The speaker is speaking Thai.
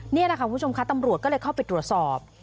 นี่นะคะคุณผู้ชมคะตำรวจก็เลยเข้าไปตรวจสอบ